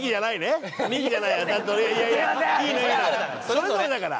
それぞれだから。